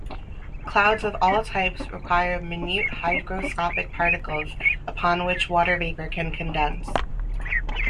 Clouds of all types require minute hygroscopic particles upon which water vapor can condense.